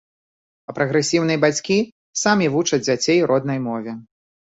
А прагрэсіўныя бацькі самі вучаць дзяцей роднай мове.